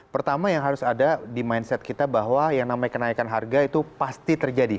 pertama yang harus ada di mindset kita bahwa yang namanya kenaikan harga itu pasti terjadi